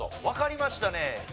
わかりましたね。